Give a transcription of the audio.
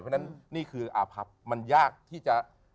เท่านั้นนี่คืออภัพมันยากที่จะ